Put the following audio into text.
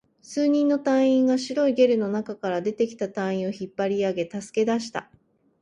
数人の隊員が白いゲルの中から出てきた隊員を引っ張り上げ、助け出した